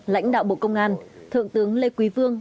lãnh đạo bộ công an thượng tướng lê quý vương